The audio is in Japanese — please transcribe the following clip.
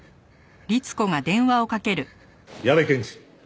矢部検事！